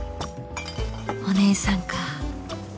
お姉さんか